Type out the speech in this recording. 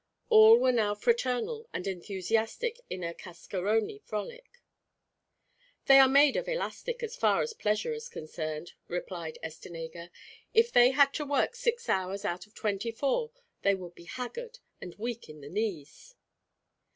All were now fraternal and enthusiastic in a cascarone frolic. "They are made of elastic, as far as pleasure is concerned," replied Estenega. "If they had to work six hours out of twenty four, they would be haggard, and weak in the knees."